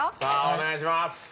お願いします！